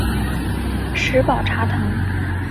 石宝茶藤